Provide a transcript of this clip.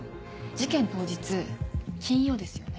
事件当日金曜ですよね。